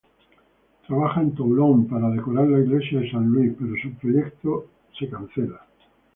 Trabaja en Toulon para decorar la iglesia de Saint-Louis, pero su proyecto es cancelado.